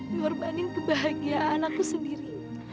ngorbanin kebahagiaan aku sendiri